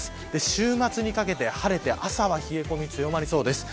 週末にかけて晴れて朝は冷え込み強まりそうです。